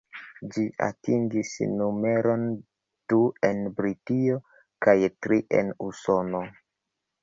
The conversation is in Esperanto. Ĝi atingis numeron du en Britio, kaj tri en Usono.